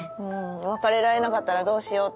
別れられなかったらどうしようって。